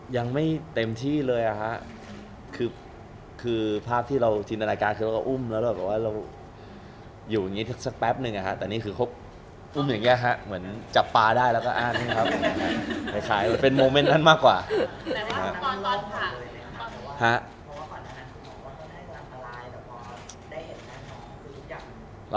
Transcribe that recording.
ยังไม่เต็มที่เลยอะฮะคือภาพที่เราชินรายการคือเราก็อุ้มแล้วแบบว่าเราอยู่อย่างนี้สักแป๊บนึงแต่นี่คือเขาอุ้มอย่างเงี้ฮะเหมือนจับปลาได้แล้วก็อ้านนี่ครับคล้ายเป็นโมเมนต์นั้นมากกว่า